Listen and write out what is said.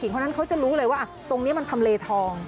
เพราะฉะนั้นเขาจะรู้เลยว่าตรงนี้มันทำเลทอง